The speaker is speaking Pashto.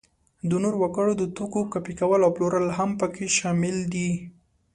د نورو وګړو د توکو کاپي کول او پلورل هم په کې شامل دي.